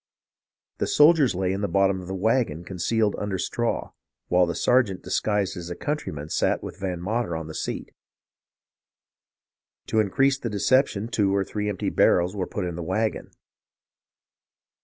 The soldiers lay in the bottom of the wagon concealed under straw, while the sergeant disguised as a countryman sat with Van Mater on the seat. To increase the deception two or three empty barrels were put in the wagon.